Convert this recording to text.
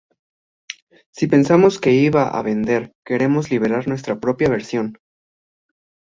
Si pensamos que iba a vender, queremos liberar nuestra propia versión".